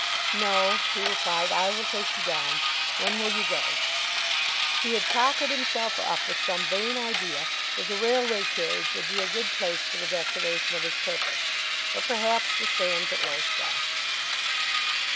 "No;" he replied. "I will take you down. When will you go?" He had cockered himself up with some vain idea that the railway carriage would be a good place for the declaration of his purpose, or perhaps the sands at Lowestoft.